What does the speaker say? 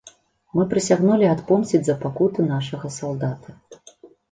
Мы прысягнулі адпомсціць за пакуты нашага салдата.